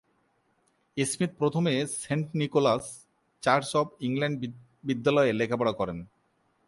Smith প্রথমে Saint Nicholas church of England বিদ্যালয়ে লেখাপড়া করেন।